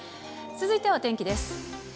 続いてはお天気です。